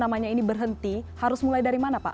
namanya ini berhenti harus mulai dari mana pak